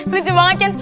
lucu banget kan